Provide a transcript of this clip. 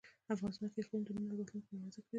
افغانستان کې اقلیم د نن او راتلونکي لپاره ارزښت لري.